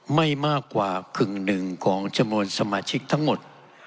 ไม่มากกว่ากึ่งหนึ่งของจำนวนสมาชิกทั้งหมด